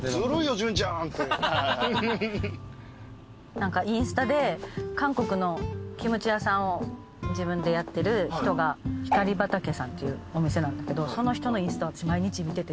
何かインスタで韓国のキムチ屋さんを自分でやってる人がひかり畑さんっていうお店なんだけどその人のインスタを私毎日見てて。